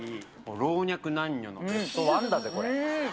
老若男女のベストワンだぜ、これ。